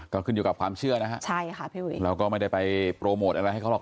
ก็ขึ้นอยู่กับความเชื่อนะฮะใช่ค่ะพี่อุ๋ยเราก็ไม่ได้ไปโปรโมทอะไรให้เขาหรอก